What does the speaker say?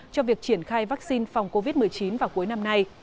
cho việc triển khai vắc xin phòng covid một mươi chín vào cuối năm nay